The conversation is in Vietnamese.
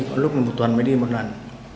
có lúc thì một tuần mới đi một lần